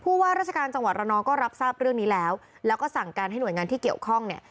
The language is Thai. ว่าราชการจังหวัดระนองก็รับทราบเรื่องนี้แล้วแล้วก็สั่งการให้หน่วยงานที่เกี่ยวข้องเนี่ย